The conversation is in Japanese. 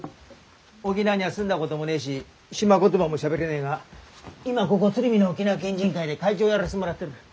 沖縄には住んだこともねえし島言葉もしゃべれねえが今はここ鶴見の沖縄県人会で会長をやらせてもらってる。